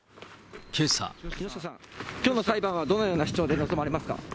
木下さん、きょうの裁判はどのような主張で臨まれますか？